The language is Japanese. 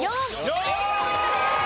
４ポイントです。